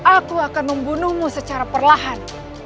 aku akan membunuhmu secara perlahan